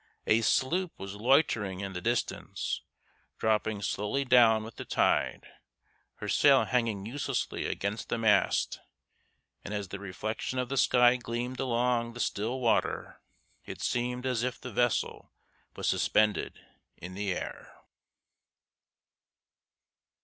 A sloop was loitering in the distance, dropping slowly down with the tide, her sail hanging uselessly against the mast, and as the reflection of the sky gleamed along the still water it seemed as if the vessel was suspended in the air.